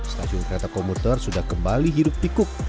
stasiun kereta komputer sudah kembali hidup tikuk